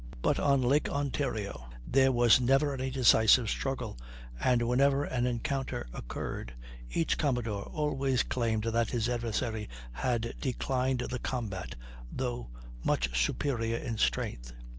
But on Lake Ontario there was never any decisive struggle, and whenever an encounter occurred, each commodore always claimed that his adversary had "declined the combat" though "much superior in strength."